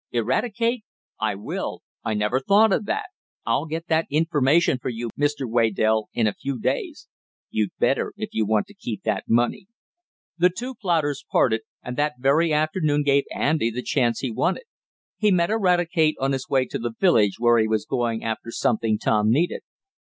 "Eradicate? I will! I never thought of that I'll get that information for you, Mr. Waydell, in a few days." "You'd better, if you want to keep that money." The two plotters parted, and that very afternoon gave Andy the chance he wanted. He met Eradicate on his way to the village where he was going after something Tom needed.